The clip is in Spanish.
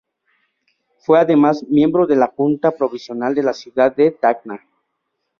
Fue además Miembro de la Junta Provisional de la ciudad de Tacna.